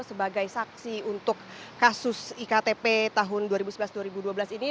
sebagai saksi untuk kasus iktp tahun dua ribu sebelas dua ribu dua belas ini